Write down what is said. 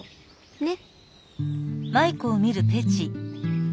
ねっ。